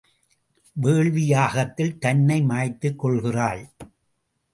வேள்வி யாகத்தில் தன்னை மாய்த்துக் கொள்கிறாள்.